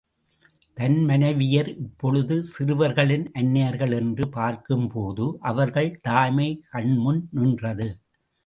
தன் மனைவியர் இப்பொழுது சிறுவர்களின் அன்னையர்கள் என்று பார்க்கும்போது அவர்கள் தாய்மை கண்முன் நின்றது.